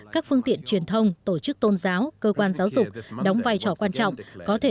các phương tiện truyền thông tổ chức tôn giáo cơ quan giáo dục đóng vai trò quan trọng có thể